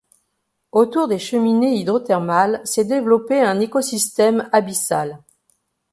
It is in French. Autour des cheminées hydrothermales s'est développé un écosystème abyssal.